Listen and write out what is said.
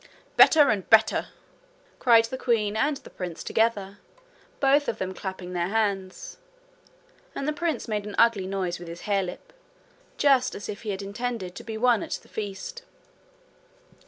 'Better and better!' cried the queen and the prince together, both of them clapping their hands. And the prince made an ugly noise with his hare lip, just as if he had intended to be one at the feast.